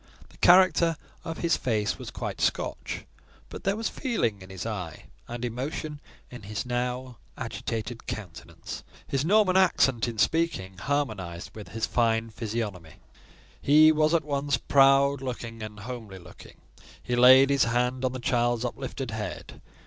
The character of his face was quite Scotch; but there was feeling in his eye, and emotion in his now agitated countenance. His northern accent in speaking harmonised with his physiognomy. He was at once proud looking and homely looking. He laid his hand on the child's uplifted head.